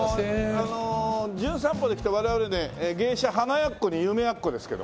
あの『じゅん散歩』で来た我々ね芸者花やっこに夢やっこですけど。